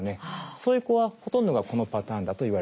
そういう子はほとんどがこのパターンだといわれています。